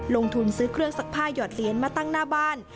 ลงทุนซื้อเครื่องซักผ้าหยอดเหรียญมาตั้งหน้าบ้าน